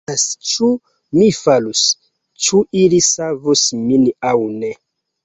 Mi scivolas ĉu mi falus, ĉu ili savus min aŭ ne